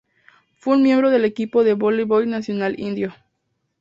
Fue un miembro del equipo de voleibol nacional indio.